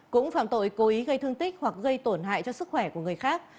cũng phạm tội cố ý gây thương tích hoặc gây tổn hại cho sức khỏe của người khác